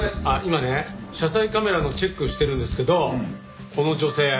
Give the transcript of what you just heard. あっ今ね車載カメラのチェックしてるんですけどこの女性。